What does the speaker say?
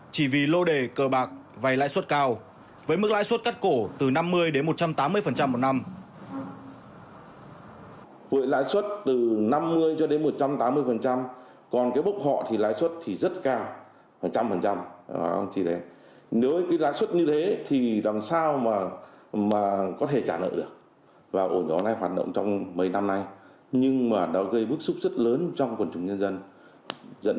chỉ vì lô đề cờ bạc vài lãi suất cao với mức lãi suất cắt cổ từ năm mươi đến một trăm tám mươi một năm